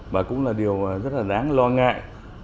và cũng là điều rất là đáng lo ngại